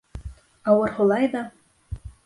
Ауыр һулай ҙа: